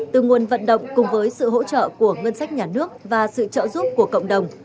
từ nguồn vận động cùng với sự hỗ trợ của ngân sách nhà nước và sự trợ giúp của cộng đồng